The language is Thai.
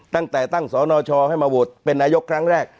ตั้งแต่ตั้งสนชให้มาโหวตเป็นนายกครั้งแรก